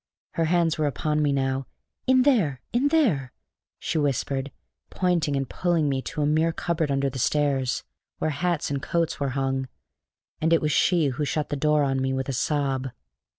Her hands were upon me now. "In there, in there," she whispered, pointing and pulling me to a mere cupboard under the stairs, where hats and coats were hung; and it was she who shut the door on me with a sob.